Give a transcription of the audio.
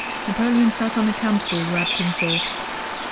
Napoleon sat on a campstool, wrapped in thought.